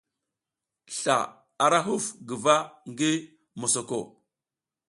Sla ara huf guva ngi mosako.